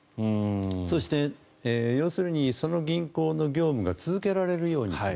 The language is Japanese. そして、要するにその銀行の業務が続けられるようにする。